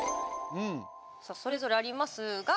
それぞれありますが。